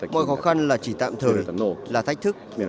mọi khó khăn là chỉ tạm thời là thách thức